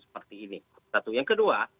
seperti ini satu yang kedua